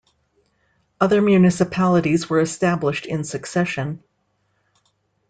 Other municipalities were established in succession.